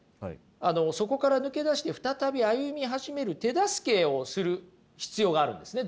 あのそこから抜け出して再び歩み始める手助けをする必要があるんですね。